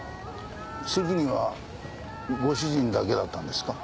席にはご主人だけだったんですか？